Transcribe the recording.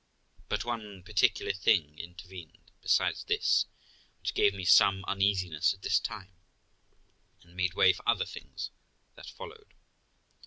But one particular thing intervened, besides this, which gave me some uneasiness at this time, and made way for other things that followed.